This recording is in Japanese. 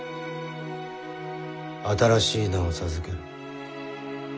新しい名を授ける。